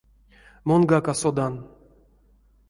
Монгак а содан.